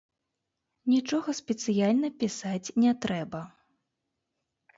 Нічога спецыяльна пісаць не трэба.